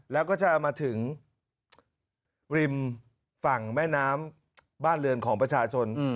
แล้วก็จะมาถึงริมฝั่งแม่น้ำบ้านเรือนของประชาชน